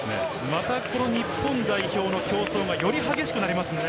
また日本代表の競争がより激しくなりますね。